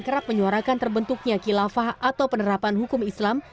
kerap menyuarakan terbentuknya kilafah atau penerapan hukum islam